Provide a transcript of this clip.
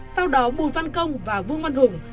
sau đó bùi văn công và vương văn hùng